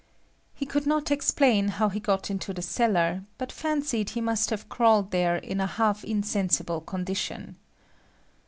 He could not explain how he got into the cellar, but fancied he must have crawled there in a half insensible condition.